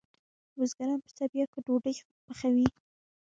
بزګران په څپیاکو ډوډئ پخوی